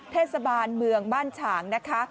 เทศบาลเมืองบ้านฉางนะคะ